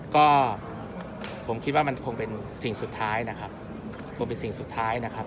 ก็คิดว่ามันคงเป็นสิ่งสุดท้ายนะครับ